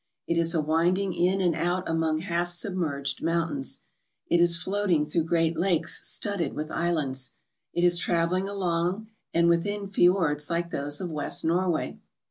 It is a winding in and out among half submerged mountains. It is floating through great lakes studded wi f h islands. It is travelling along and within fiords like those of west Norway.